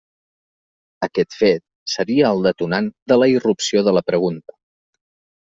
Aquest fet seria el detonant de la irrupció de la pregunta.